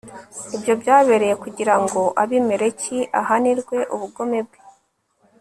ibyo byabereye kugira ngo abimeleki ahanirwe ubugome bwe